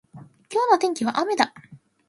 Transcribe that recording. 今日の天気は雨だ。